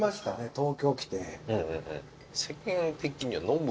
東京来て。